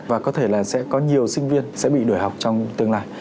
và có thể là sẽ có nhiều sinh viên sẽ bị đuổi học trong tương lai